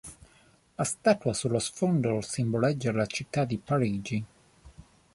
La statua sullo sfondo simboleggia la città di Parigi.